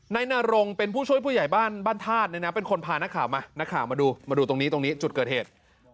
นายนรงเป็นผู้ช่วยผู้ใหญ่บ้านบ้านธาตุเนี่ยนะเป็นคนพานักข่าวมานักข่าวมาดูมาดูตรงนี้ตรงนี้จุดเกิดเหตุ